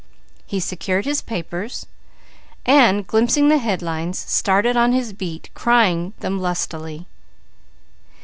He secured his papers, and glimpsing the headlines started on his beat crying them lustily.